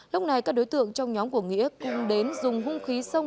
lúc này các đối tượng trong nhóm của nghĩa cùng đến dùng hung khí sông